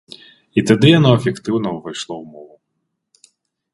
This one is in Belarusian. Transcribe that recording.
І тады яно эфектыўна ўвайшло ў мову.